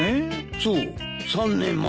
そう３年前。